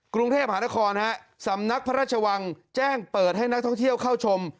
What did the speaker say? กรุงเทพหานครสำนักพระราชวังแจ้งเปิดให้นักท่องเที่ยวเข้าชม